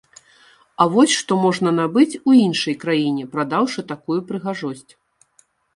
А вось, што можна набыць у іншай краіне, прадаўшы такую прыгажосць.